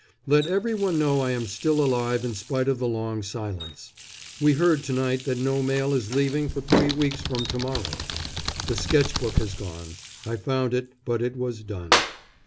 Let every one know I am still alive in spite of the long silence. We heard to night that no mail is leaving for three weeks from to morrow. The sketch book has gone. I found it, but it was "done."